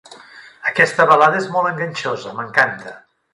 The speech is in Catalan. Aquesta balada és molt enganxosa, m'encanta!